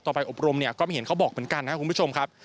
ไปอบรมเนี่ยก็ไม่เห็นเขาบอกเหมือนกันนะครับคุณผู้ชมครับ